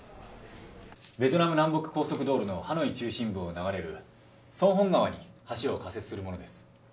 ベトナム南北高速道路のハノイ中心部を流れるソンホン川に橋を架設するものです。